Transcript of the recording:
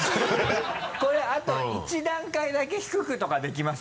これあと１段階だけ低くとかできます？